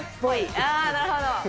ああ、なるほど。